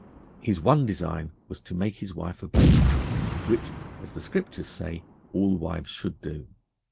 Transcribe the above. His one design was to make his wife obey him, which, as the Scriptures say, all wives should do.